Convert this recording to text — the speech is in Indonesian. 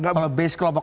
kalau base kelompok